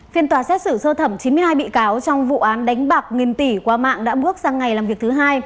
phiên tòa xét xử sơ thẩm chín mươi hai bị cáo trong vụ án đánh bạc nghìn tỷ qua mạng đã bước sang ngày làm việc thứ hai